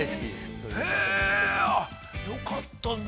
◆よかった。